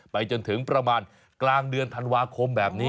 ไปจนถึงประมาณกลางเดือนธันวาคมแบบนี้